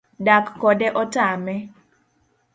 Dak kode otame